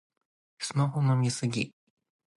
スマホの見過ぎ